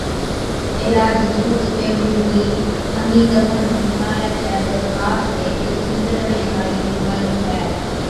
علاج، جُون تہ پيهڻُون بِي اَمهِين تمهان نُون سُڻالَي ڇَي تہ خارس هيڪ کنڊرڻي هاڙِي بِيمارِي ڇَي